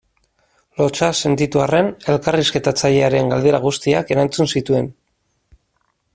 Lotsa sentitu arren elkarrizketatzailearen galdera guztiak erantzun zituen.